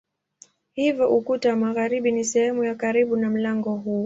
Hivyo ukuta wa magharibi ni sehemu ya karibu na mlango huu.